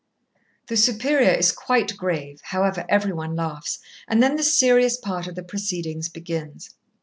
The Superior is quite grave, however, every one laughs, and then the serious part of the proceedings begins.